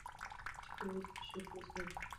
د شپې وروستۍ شېبې د سهار په لور تښتېدې.